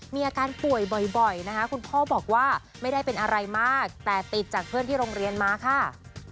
มีอาการป่วยบ่อยนะคะคุณพ่อบอกว่าไม่ได้เป็นอะไรมากแต่ติดจากเพื่อนที่โรงเรียนมาค่ะ